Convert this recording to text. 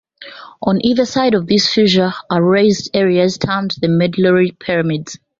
On either side of this fissure are raised areas termed the medullary pyramids.